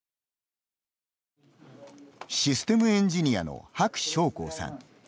システムエンジニアの薄小虎さん。